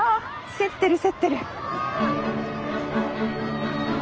競ってる競ってる！